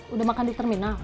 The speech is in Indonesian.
udah makan di terminal